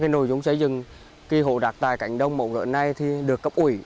nội dung xây dựng kỳ hộ đặc tài cánh đồng mẫu gợi này được cấp ủy